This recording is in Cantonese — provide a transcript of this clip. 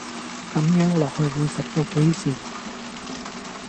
咁樣落去會食到幾時